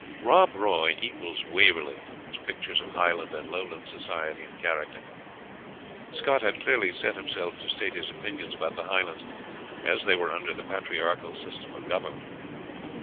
"Rob Roy" equals "Waverley" in its pictures of Highland and Lowland society and character. Scott had clearly set himself to state his opinions about the Highlands as they were under the patriarchal system of government.